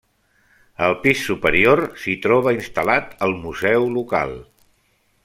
Al pis superior s'hi troba instal·lat el Museu Local.